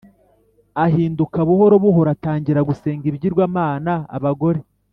Ahinduka buhoro buhoro atangira gusenga ibigirwamana abagore